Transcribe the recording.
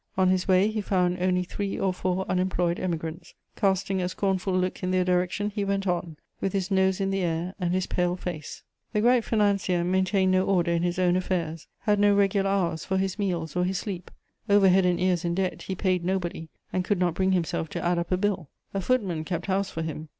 On his way he found only three or four unemployed Emigrants: casting a scornful look in their direction, he went on, with his nose in the air, and his pale face. The great financier maintained no order in his own affairs, had no regular hours for his meals or his sleep. Over head and ears in debt, he paid nobody, and could not bring himself to add up a bill. A footman kept house for him.